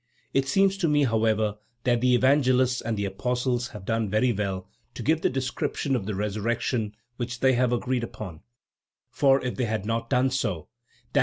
It seems to me, however, that the Evangelists and the Apostles have done very well to give the description of the resurrection which they have agreed upon, for if they had not done so, _i.